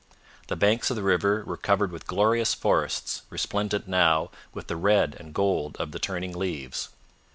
The banks of the river were covered with glorious forests resplendent now with the red and gold of the turning leaves.